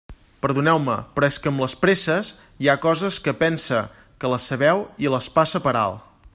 Perdoneu-me, però és que amb les presses hi ha coses que pense que les sabeu i les passe per alt.